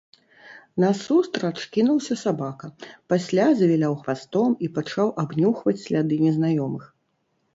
Насустрач кінуўся сабака, пасля завіляў хвастом і пачаў абнюхваць сляды незнаёмых.